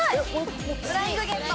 『フライングゲット』！